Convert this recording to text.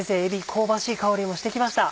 香ばしい香りもして来ました。